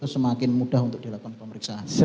semakin mudah untuk dilakukan pemeriksaan